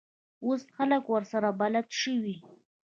اوس خلک ورسره بلد شوي.